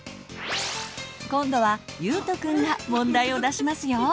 今度はゆうとくんが問題を出しますよ。